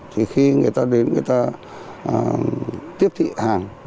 thì khi người ta đến người ta tiếp thị hàng